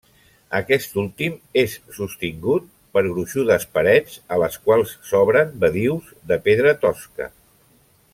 Aquest últim és sostingut per gruixudes parets a les quals s'obren badius de pedra tosca.